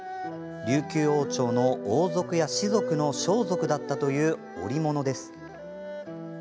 琉球王朝の王族や士族の装束だったという織物です。